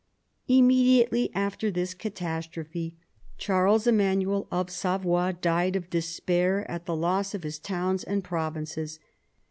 Immediately after this catastrophe Charles Emmanuel of Savoy died of despair at the loss of his towns and provinces.